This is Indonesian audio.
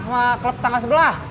sama klub tangga sebelah